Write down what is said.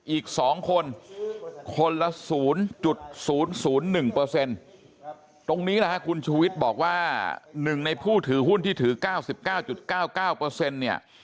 อีก๒คนคนละ๐๐๑ตรงนี้นะฮะคุณชูวิทย์บอกว่า๑ในผู้ถือหุ้นที่ถือ๙๙๙๙เนี่ย